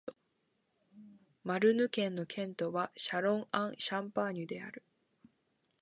マルヌ県の県都はシャロン＝アン＝シャンパーニュである